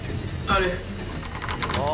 あれ？